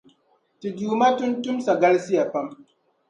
Ti duuma tuntumsa galisiya pam.